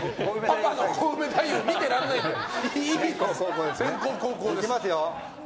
パパのコウメ太夫見てられないから。